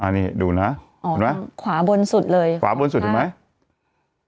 นี่ดูนะอ๋อเห็นไหมขวาบนสุดเลยขวาบนสุดเห็นไหม